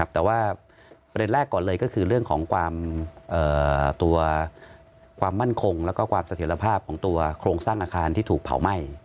แต่ว่าประเด็นแรกก่อนเลยก็คือเรื่องของความมั่นคงแล้วก็ความเสถียรภาพของตัวโครงสร้างอาคารที่ถูกเผาไหม้